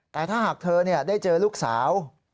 แต่ถ้าหากเธอได้เจอลูกสาว